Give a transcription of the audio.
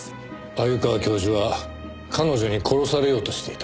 鮎川教授は彼女に殺されようとしていた。